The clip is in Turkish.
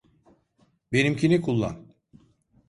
Benimkini kullan.